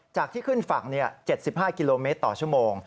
ที่ขึ้นฝั่ง๗๕กิโลเมตรต่อชั่วโมง